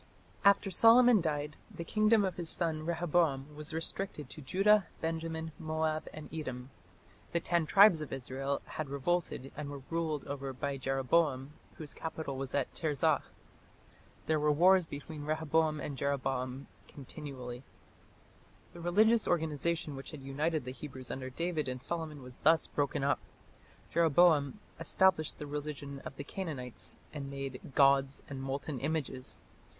After Solomon died, the kingdom of his son Rehoboam was restricted to Judah, Benjamin, Moab, and Edom. The "ten tribes" of Israel had revolted and were ruled over by Jeroboam, whose capital was at Tirzah. "There were wars between Rehoboam and Jeroboam continually." The religious organization which had united the Hebrews under David and Solomon was thus broken up. Jeroboam established the religion of the Canaanites and made "gods and molten images".